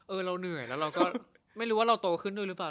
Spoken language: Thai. เราเหนื่อยแล้วเราก็ไม่รู้ว่าเราโตขึ้นด้วยหรือเปล่า